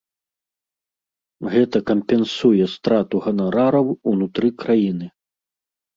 Гэта кампенсуе страту ганарараў унутры краіны.